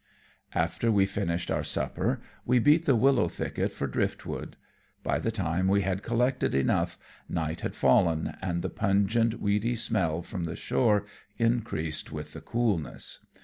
After we finished our supper we beat the willow thicket for driftwood. By the time we had collected enough, night had fallen, and the pungent, weedy smell from the shore increased with the coolness.